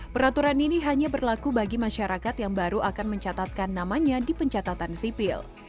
peraturan ini hanya berlaku bagi masyarakat yang baru akan mencatatkan namanya di pencatatan sipil